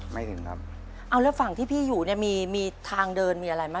ไม่ถึงครับเอาแล้วฝั่งที่พี่อยู่เนี่ยมีมีทางเดินมีอะไรไหม